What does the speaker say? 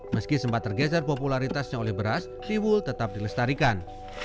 meski sempat tergeser popularitasnya oleh beras tiwul tetap dilestarikan